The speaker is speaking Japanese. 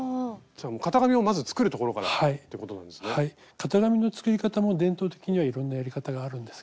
型紙の作り方も伝統的にはいろんなやり方があるんですけど